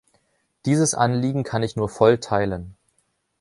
Dieses Anliegen kann ich nur voll teilen.